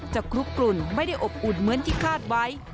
คลุกกลุ่นไม่ได้อบอุ่นเหมือนที่คาดไว้